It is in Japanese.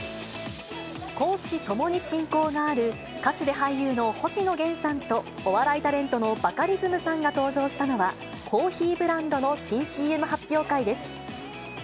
公私ともに親交がある、歌手で俳優の星野源さんと、お笑いタレントのバカリズムさんが登場したのは、コーヒーブランドの新ＣＭ発表会です。